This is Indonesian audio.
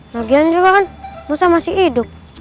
lagian juga kan musa masih hidup